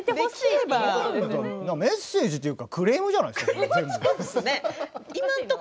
メッセージというかクレームじゃないですか。